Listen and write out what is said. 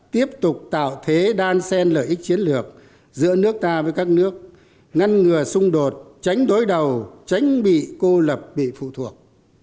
tiếp tục tạo thế đan sen lợi ích chiến lược giữa nước ta với các nước ngăn ngừa xung đột tránh đối đầu tránh bị cô lập bị phụ thuộc